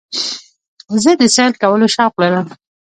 زه د سیل کولو شوق لرم.